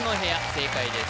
正解です